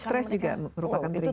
jadi stres juga merupakan trigger